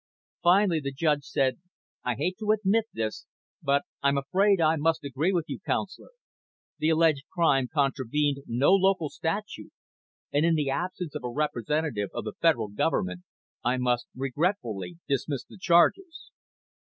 Finally the judge said, "I hate to admit this, but I'm afraid I must agree with you, counselor. The alleged crime contravened no local statute, and in the absence of a representative of the Federal Government I must regretfully dismiss the charges."